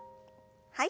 はい。